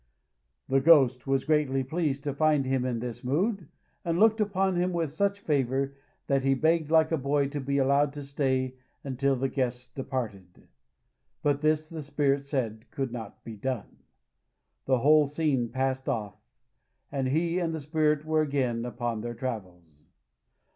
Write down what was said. The Ghost was greatly pleased to find him in this mood, and looked upon him with such favor, that he begged like a boy to be allowed to stay until the guests departed. But this the Spirit said could not be done. The whole scene passed off; and he and the Spirit were again upon their travels.